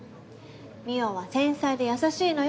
望緒は繊細で優しいのよ。